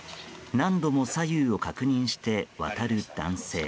何度も左右を確認して渡る男性。